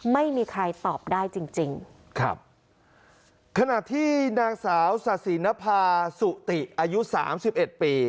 ไม่มีใครตอบได้จริงจริงครับขณะที่นางสาวสาศรีนภาสุติอายุสามสิบเอ็ดปี